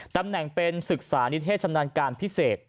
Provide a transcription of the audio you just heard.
ตำแหน่งเป็นศึกษานิเทศชำนาญการพิเศษ